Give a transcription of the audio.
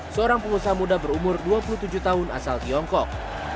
seorang pengusaha muda berumur dua puluh tujuh tahun asal tiongkok